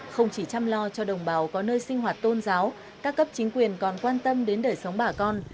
không chỉ chăm lo cho đồng bào có nơi sinh hoạt tôn giáo các cấp chính quyền còn quan tâm đến đời sống bà con